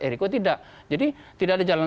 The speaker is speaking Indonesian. eriko tidak jadi tidak ada jalan